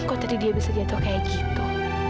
kok tadi dia bisa jatuh kayak gitu